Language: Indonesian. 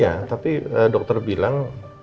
ya tapi dokter bilang